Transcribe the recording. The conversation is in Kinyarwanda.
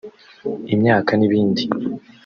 imyaka n’ ibindi